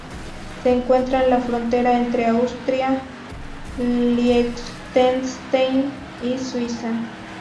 Se encuentra en la frontera entre Austria, Liechtenstein y Suiza.